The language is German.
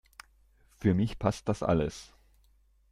Für mich passt das alles.